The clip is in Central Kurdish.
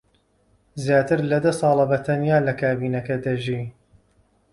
زیاتر لە دە ساڵە بەتەنیا لە کابینەکە دەژی.